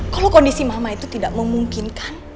kalau kondisi mama itu tidak memungkinkan